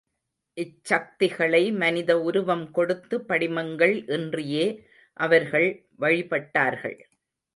இச்சக்திகளை மனித உருவம் கொடுத்து, படிமங்கள் இன்றியே அவர்கள் வழிபட்டார்கள்.